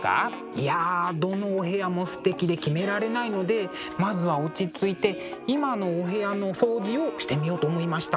いやどのお部屋もすてきで決められないのでまずは落ち着いて今のお部屋の掃除をしてみようと思いました。